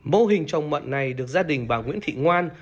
mô hình trồng mận này được gia đình bà nguyễn thị ngoan